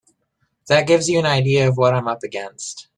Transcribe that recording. That gives you an idea of what I'm up against.